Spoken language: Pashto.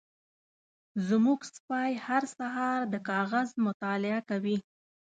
زمونږ سپی هر سهار د کاغذ مطالعه کوي.